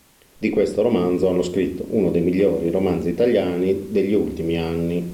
Di questo romanzo hanno scritto: "Uno dei migliori romanzi italiani degli ultimi anni.